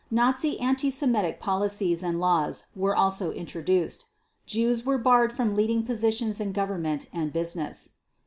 Nazi anti Semitic policies and laws were also introduced. Jews were barred from leading positions in Government and business.